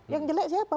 yang jelek siapa